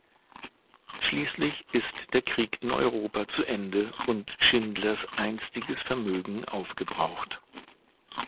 Schließlich ist der Krieg in Europa zu Ende und Schindlers einstiges Vermögen aufgebraucht.